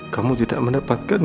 kamu tidak mendapatkan